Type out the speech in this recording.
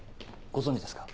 ご存じですか？